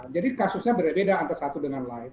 jadi kasusnya beda beda antar satu dengan lain